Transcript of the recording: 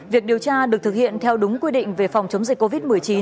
việc điều tra được thực hiện theo đúng quy định về phòng chống dịch covid một mươi chín